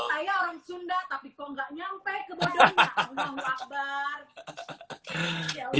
nggak mau ngelakbar